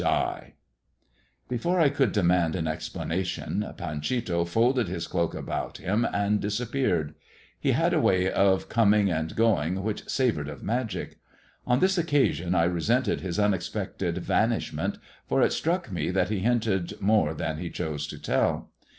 'THE TALE OF THE TURQUOISE SKULL' 241 Before I could demand an explanation Panchito folded his cloak around him and disappeared. He had a way of coining and going which savoured of magic. On this occa sion I resented his unexpected vanishment, for it struck me that he hinted more than he chose to tell.